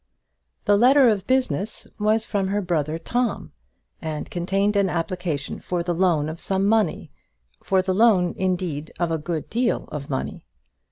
The letter of business was from her brother Tom, and contained an application for the loan of some money, for the loan, indeed, of a good deal of money.